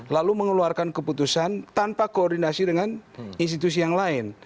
lalu mengeluarkan keputusan tanpa koordinasi dengan institusi yang lain